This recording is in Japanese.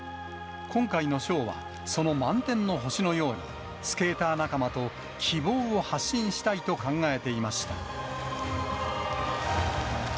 今回のショーは、その満天の星のように、スケーター仲間と希望を発信したいと考えていました。